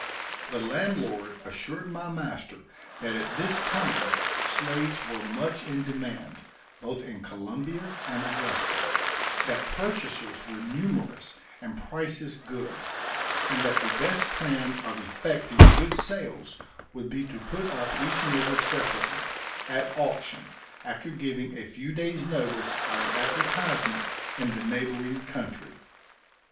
The landlord assured my master that at this time slaves were much in demand, both in Columbia and Augusta; that purchasers were numerous and prices good; and that the best plan of effecting good sales would be to put up each nigger separately, at auction, after giving a few days' notice, by an advertisement, in the neighboring country.